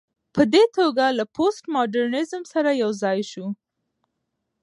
په دې توګه له پوسټ ماډرنيزم سره يوځاى شو